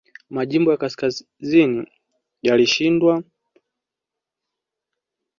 Majimbo ya kaskazini yalishinda na kuwaweka huru watumwa